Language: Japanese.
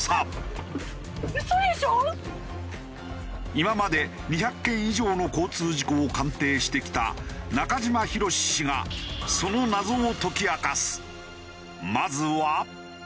今まで２００件以上の交通事故を鑑定してきた中島博史氏がそのまずは。